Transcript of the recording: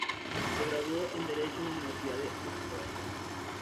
Se graduó en Derecho en la Universidad de Oxford.